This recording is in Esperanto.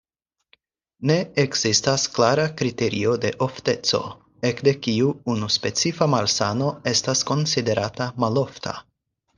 Ne ekzistas klara kriterio de ofteco, ekde kiu unu specifa malsano estas konsiderata malofta.